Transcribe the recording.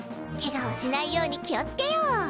ケガをしないように気をつけよう！